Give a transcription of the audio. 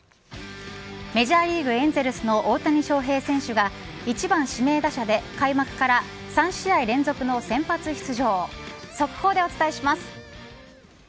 メジャーリーグエンゼルスの大谷翔平選手が１番、指名打者で開幕から３試合連続の先発出場、速報でお伝えします。